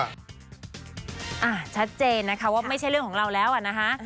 ชัดเจนนะคะว่าไม่ใช่เรื่องของเราแล้วอ่ะนะคะ